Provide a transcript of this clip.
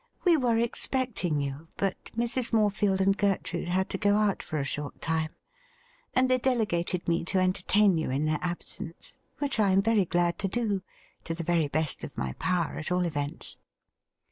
' We were expect' ing you ; but Mrs. Morefield and Gertrude had to go out for a short time, and they delegated me to entertain you in their absence — ^which I am very glad to do, to the veiy best of my power, at all events.'